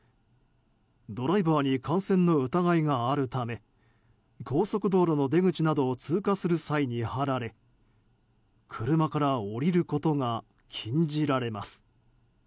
ドライバーに感染の疑いがあるため高速道路の出口などを通過する際に貼られ車から降りることが禁じられます。